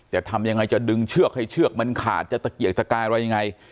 จะทำยังไงจะดึงเชือกให้เชือกมันขาดจะตะเกียกตะกายอะไรยังไง